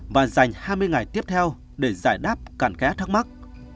và dành hai mươi ngày tiếp theo để giải đáp cạn kẽ thắc mắc